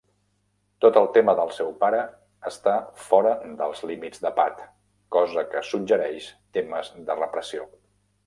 Tot el tema del seu pare està fora dels límits de Pat, cosa que suggereix temes de repressió.